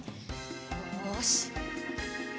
よし。